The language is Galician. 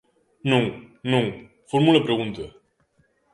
Non, non, formule a pregunta.